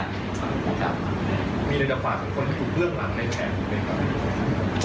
มีระเบิดกว่าคนที่คุยเผื้องลำในะครับ